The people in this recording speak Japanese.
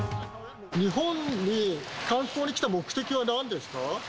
日本に観光に来た目的はなんですか？